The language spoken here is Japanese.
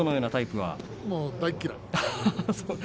大嫌い。